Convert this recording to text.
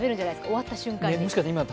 終わった瞬間に。